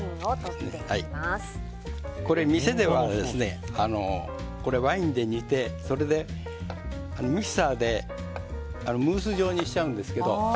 店ではワインで煮てミキサーでムース状にしちゃうんですけど。